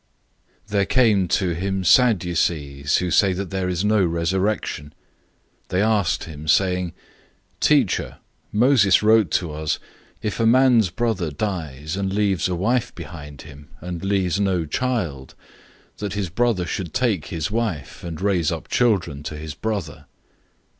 012:018 There came to him Sadducees, who say that there is no resurrection. They asked him, saying, 012:019 "Teacher, Moses wrote to us, 'If a man's brother dies, and leaves a wife behind him, and leaves no children, that his brother should take his wife, and raise up offspring for his brother.'